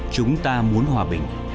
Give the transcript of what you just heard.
chúng ta muốn hòa bình